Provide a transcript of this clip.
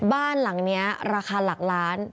บ้านหลังนี้ราคาหลักล้าน